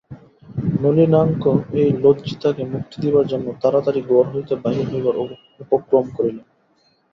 নলিনাক্ষ এই লজ্জিতাকে মুক্তি দিবার জন্য তাড়াতাড়ি ঘর হইতে বাহির হইবার উপক্রম করিল।